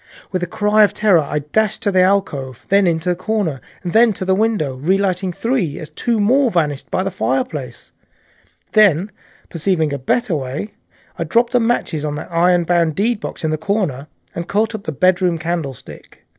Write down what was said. With a cry of terror I dashed at the alcove, then into the corner and then into the window, relighting three as two more vanished by the fireplace, and then, perceiving a better way, I dropped matches on the iron bound deedbox in the corner, and caught up the bedroom candlestick.